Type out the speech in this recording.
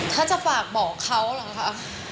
ถ้าจะฝากบอกเขาอะล่ะคะ